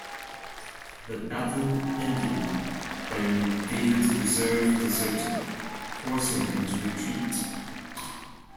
The battle ended when David's reserve deserted, forcing him to retreat.